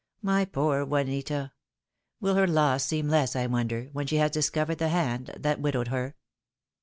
My poor Juanita! Will her loss seem less, I wonder, when she has discovered the hand that widowed her?"